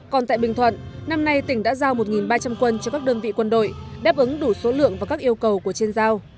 còn tại bình thuận năm nay tỉnh đã giao một ba trăm linh quân cho các đơn vị quân đội đáp ứng đủ số lượng và các yêu cầu của trên giao